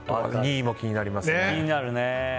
２位も気になりますね。